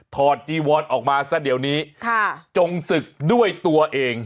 จีวอนออกมาซะเดี๋ยวนี้จงศึกด้วยตัวเอง